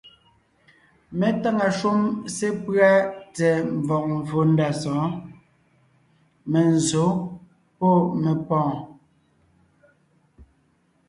Mé táŋa shúm sepʉ́a tsɛ̀ɛ mvɔ̀g mvfò ndá sɔ̌ɔn: menzsǒ pɔ́ mepɔ̀ɔn.